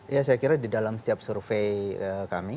ya saya kira di dalam setiap survei kami